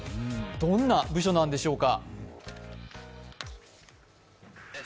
どんな部署なんでしょうか。